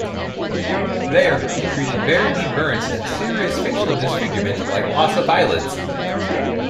There, he treated very deep burns and serious facial disfigurement like loss of eyelids.